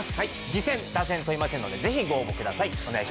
自薦・他薦問いませんのでぜひご応募ください